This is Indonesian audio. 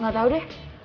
gak tau deh